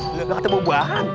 belakang tembong buahan